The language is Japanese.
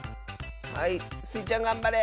はいスイちゃんがんばれ！